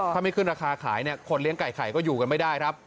ถ้าไม่ขึ้นราคาขายเนี่ยคนเลี้ยงไก่ไข่ก็อยู่กันไม่ได้ครับ